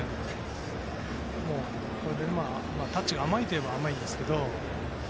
タッチが甘いといえば甘いんですけどね。